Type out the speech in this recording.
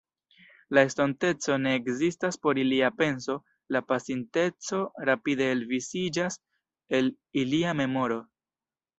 La estonteco ne ekzistas por ilia penso, la pasinteco rapide elviŝiĝas el ilia memoro.